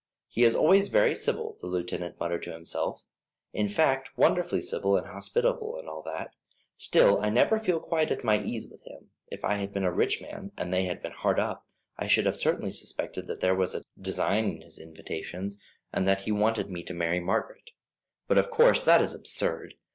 "He is always very civil," the lieutenant muttered to himself; "in fact, wonderfully civil and hospitable, and all that. Still I never feel quite at my ease with him. If I had been a rich man, and they had been hard up, I should have certainly suspected there was a design in his invitations, and that he wanted me to marry Margaret; but, of course, that is absurd.